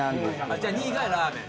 じゃあ２位がラーメン？